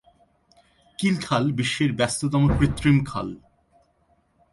কিল খাল বিশ্বের ব্যস্ততম কৃত্রিম খাল।